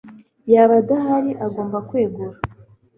yaba adahari agomba kwegura